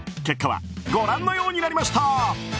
結果はご覧のようになりました。